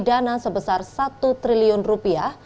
dana sebesar satu triliun rupiah